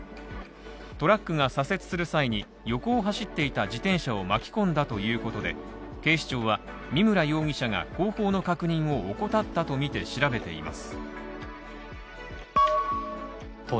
トラックが左折する際に、横を走っていた自転車を巻き込んだということで、警視庁は見村容疑者が後方の確認を怠ったとみて調べています。